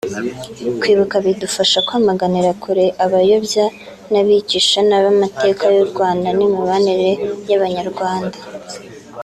Kwibuka bidufasha kwamaganira kure abayobya n’abigisha nabi amateka y’u Rwanda n’imibanire y’Abanyarwanda